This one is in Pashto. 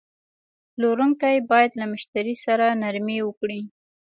پلورونکی باید له مشتری سره نرمي وکړي.